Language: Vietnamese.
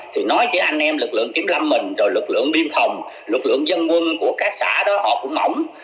thì nói với anh em lực lượng kiểm lâm mình rồi lực lượng biên phòng lực lượng dân quân của các xã đó họ cũng mỏng